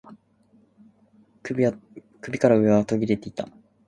首から上は途切れていた